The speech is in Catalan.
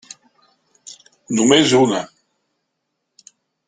Només una.